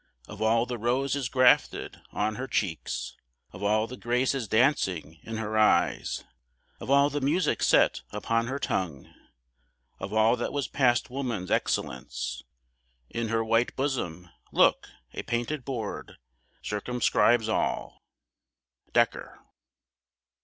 Of all the roses grafted on her cheeks, Of all the graces dancing in her eyes, Of all the music set upon her tongue, Of all that was past woman's excellence In her white bosom; look, a painted board, Circumscribes all! DEKKER.